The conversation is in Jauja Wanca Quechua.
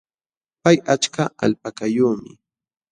Pay achka alpakayuqmi.